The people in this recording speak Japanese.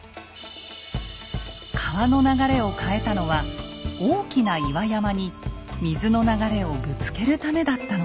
川の流れを変えたのは大きな岩山に水の流れをぶつけるためだったのです。